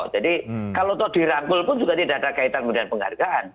jadi kalau di rangkul pun juga tidak ada kaitan dengan penghargaan